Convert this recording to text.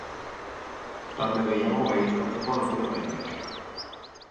Talde gehiago baieztatzeko daude oraindik.